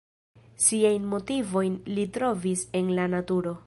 Siajn motivojn li trovis en la naturo.